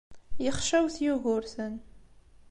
Yexcawet Yugurten.